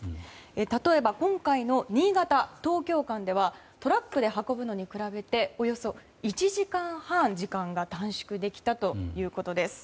例えば、今回の新潟東京間ではトラックで運ぶのに比べておよそ１時間半、時間が短縮できたということです。